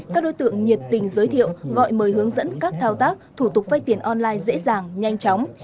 các đối tượng nhiệt tình giới thiệu gọi mời hướng dẫn các thao tác thủ tục vay tiền online dễ dàng nhanh chóng